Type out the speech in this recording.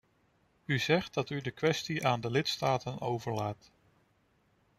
U zegt dat u de kwestie aan de lidstaten overlaat.